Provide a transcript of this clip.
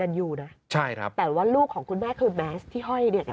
ฉันนั้นอยู่นะใช่ครับแต่ว่าลูกของคุณแม่คือที่ห้อยเนี่ยแต่